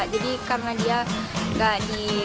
jadi karena dia enak